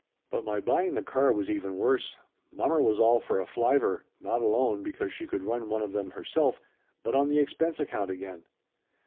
But my buying the car was even worse. Mommer was all for a flivver, not alone because she could run one of them herself but on the expense account again.